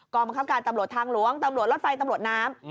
บังคับการตำรวจทางหลวงตำรวจรถไฟตำรวจน้ำ